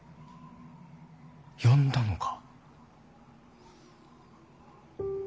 呼んだのか。